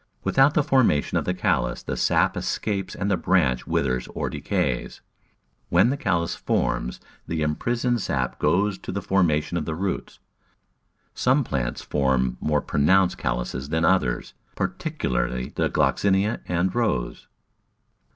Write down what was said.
Without the formation of the callus the sap escapes and the branch withers or decays. When the callus forms the imprisoned sap goes to the formation of roots. Some plants form more pronounced calluses than others — particularly the Gloxinia and Rose.